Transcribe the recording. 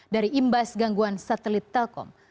dari imbas gangguan satelit telkom